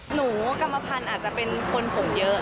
หนูกรรมพันธุ์อาจจะเป็นคนผมเยอะ